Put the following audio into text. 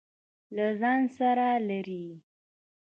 له ځان سره لري.